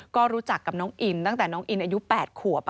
ก็รู้จักกับน้องอินตั้งแต่น้องอินอายุ๘ขวบ